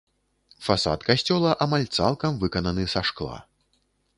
Фасад касцёла амаль цалкам выкананы са шкла.